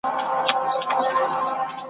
تازه نسیمه د سهار باده `